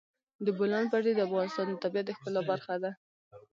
د بولان پټي د افغانستان د طبیعت د ښکلا برخه ده.